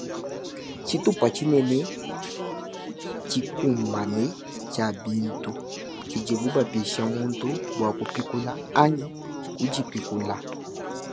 Tsitupa tshinene tshikumbane tshia bintu tshidibu bapesha muntu bua kupikula anyi kudipikula.